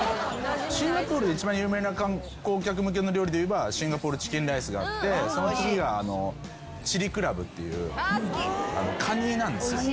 シンガポールで一番有名な観光客向けの料理でいえばシンガポールチキンライスがあってその次がチリクラブっていうカニなんですよ。